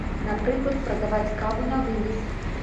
Напрыклад, прадаваць каву на вынас.